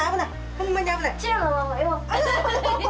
ほんまに危ない。